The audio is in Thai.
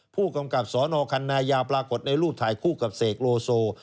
ผู้กำกับสนคันนายาวปรากฏในรูปถ่ายคู่กับเสกโลโซ